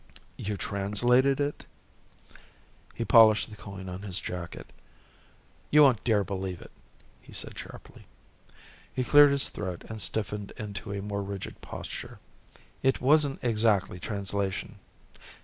"You translated it?" He polished the coin on his jacket. "You won't dare believe it," he said sharply. He cleared his throat and stiffened into a more rigid posture. "It wasn't exactly translation.